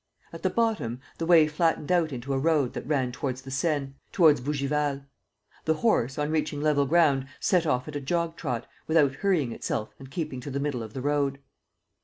At the bottom, the way flattened out into a road that ran towards the Seine, towards Bougival. The horse, on reaching level ground, set off at a jog trot, without hurrying itself and keeping to the middle of the road.